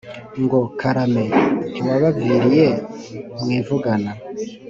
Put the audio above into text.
ngo : karame ntiwabaviriye mu ivugana.